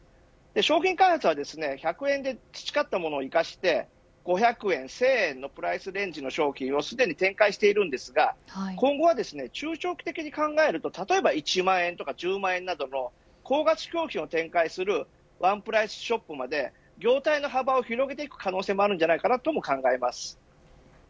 商品開発は１００円で培ったものを生かして５００円、１０００円のプライスレンジの商品をすでに展開していますが今後は中長期的に考えると例えば１万円とか１０万円などの高額商品を展開するワンプライスショップまで業態の幅を広げる可能性もあるんじゃないかと考えます。